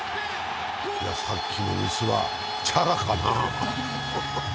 さっきのミスはチャラかな。